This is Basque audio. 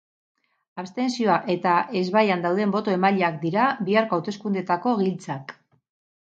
Abstentzioa eta ezbaian dauden boto-emaileak dira biharko hauteskundeetako giltzak.